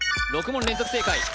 ６問連続正解